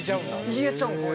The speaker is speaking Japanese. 言えちゃうんですよ。